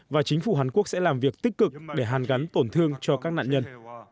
và chính phủ hàn quốc sẽ làm việc tích cực để hàn gắn tổn thương cho các nạn nhân